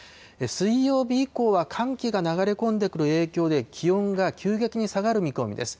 水曜日以降は寒気が流れ込んでくる影響で、気温が急激に下がる見込みです。